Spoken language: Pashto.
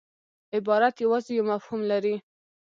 عبارت یوازي یو مفهوم لري.